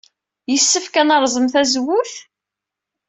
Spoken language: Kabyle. Yessefk ad nerẓem tazewwut?